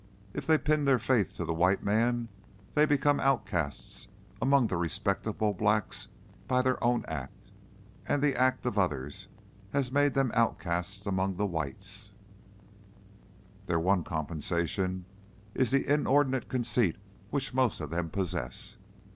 If they pin their faith to the white man, they become outcasts among the respectable Blacks by their own act, as the act of others has made them outcasts among the Whites, Their one compensation is the inordinate conceit which most of them possess.